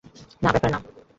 না, ব্যাপার না।